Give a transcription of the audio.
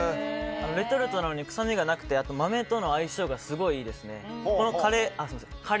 レトルトなのに臭みがなくて豆との相性がすごくいいです。